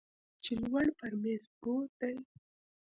چې لوړ پر میز پروت دی